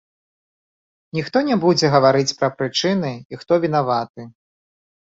Ніхто не будзе гаварыць пра прычыны і хто вінаваты.